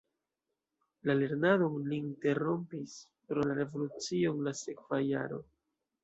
La lernadon li interrompis pro la revolucio en la sekva jaro.